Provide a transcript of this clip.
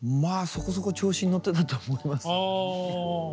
そこそこ調子に乗ってたと思います。